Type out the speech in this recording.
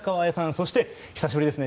そして、久しぶりですね。